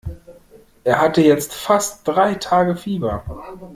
Er hatte jetzt fast drei Tage Fieber.